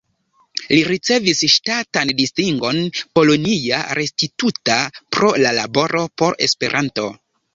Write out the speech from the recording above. Li ricevis ŝtatan distingon "Polonia Restituta" pro la laboro por Esperanto.